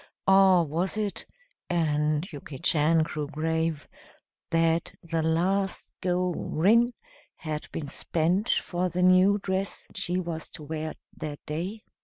Or was it and Yuki Chan grew grave that the last go rin had been spent for the new dress she was to wear that day?